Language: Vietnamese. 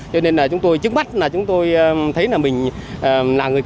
cho nên là chúng tôi trước mắt là chúng tôi thấy là mình là người